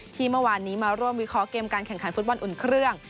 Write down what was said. ที่เมื่อวานนี้มาร่วมวิเคราะห์เกมการแข่งขันฟุตบอลอุ่นเครื่อง